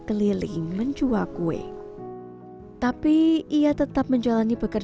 kue yang besar